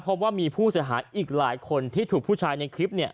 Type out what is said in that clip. เพราะว่ามีผู้เสียหายอีกหลายคนที่ถูกผู้ชายในคลิปเนี่ย